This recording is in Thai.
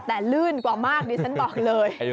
แต่ลื่นกว่ามากดิฉันบอกเลย